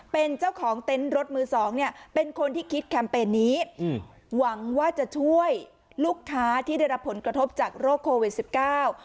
เป็นเจ้าของเต็นต์รถมือสองเนี่ยเป็นคนที่คิดแคมเปญนี้อืมหวังว่าจะช่วยลูกค้าที่ได้รับผลกระทบจากโรคโควิดสิบเก้า